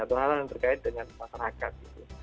atau hal hal yang terkait dengan masyarakat